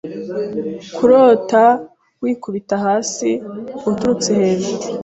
Kurota wikubita hasi uturutse hejuru.